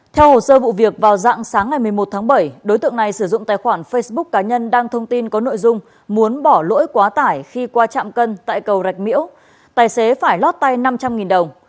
theo hồ sơ vụ việc vào dạng sáng ngày một mươi một tháng bảy đối tượng này sử dụng tài khoản facebook cá nhân đăng thông tin có nội dung muốn bỏ lỗi quá tải khi qua trạm cân tại cầu rạch miễu tài xế phải lót tay năm trăm linh đồng